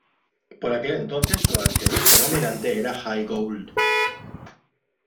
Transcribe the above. Por aquel entonces su accionista dominante era Jay Gould.